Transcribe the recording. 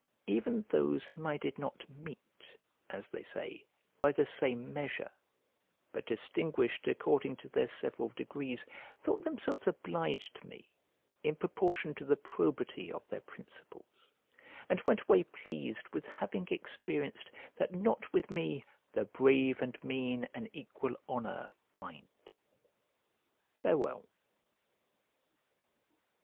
Even those whom I did not "mete" (as they say) "by the same measure," but distinguished according to their several degrees, thought themselves obliged to me, in proportion to the probity of their principles, and went away pleased with having experienced that not with me "The brave and mean an equal honour find." Farewell.